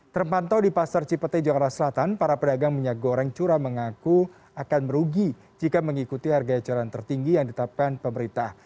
terpantau di pasar cipete jakarta selatan para pedagang minyak goreng curah mengaku akan merugi jika mengikuti harga eceran tertinggi yang ditetapkan pemerintah